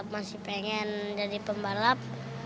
masih pengen jadi pembalap